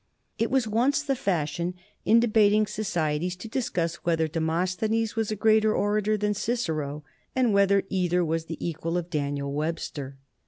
It was once the fashion in debating societies to discuss whether Demosthenes was a greater orator than Cicero, and whether either was the equal of Daniel Webster.